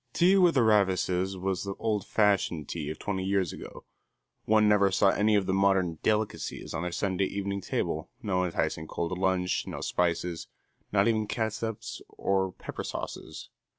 Tea with the Ravises was the old fashioned tea of twenty years ago. One never saw any of the modern "delicacies" on their Sunday evening table, no enticing cold lunch, no spices, not even catsups or pepper sauces.